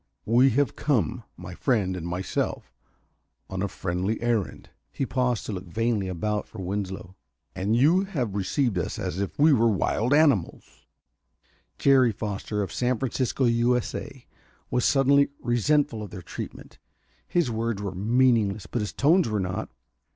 "We have come, my friend and myself, on a friendly errand." He paused to look vainly about for Winslow. "And you have received us as if we were wild animals." Jerry Foster, of San Francisco, U. S. A., was suddenly resentful of their treatment. His words were meaningless, but his tones were not.